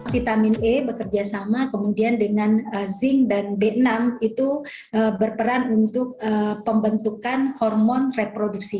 vitamin e bekerja sama kemudian dengan zinc dan b enam itu berperan untuk pembentukan hormon reproduksi